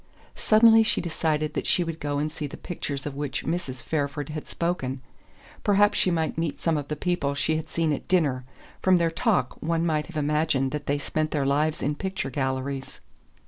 Suddenly she decided that she would go and see the pictures of which Mrs. Fairford had spoken. Perhaps she might meet some of the people she had seen at dinner from their talk one might have imagined that they spent their lives in picture galleries.